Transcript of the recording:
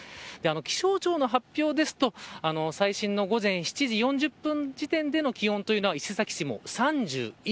気象庁の発表ですと最新の午前７時４０分時点での気温というのは伊勢崎市も３１．５度。